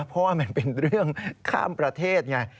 เพราะว่ามันเป็นเรื่องข้ามประเทศไง